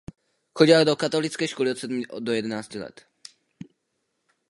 Chodila do katolické školy od sedmi do jedenácti let.